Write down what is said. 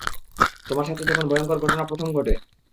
তোমার সাথে যখন ভয়ংকর ঘটনা প্রথম ঘটে?